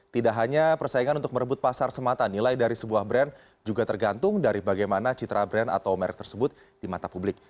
tidak hanya persaingan untuk merebut pasar semata nilai dari sebuah brand juga tergantung dari bagaimana citra brand atau merek tersebut di mata publik